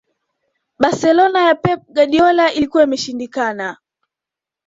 barcelona ya pep guardiola ilikuwa imeshindikana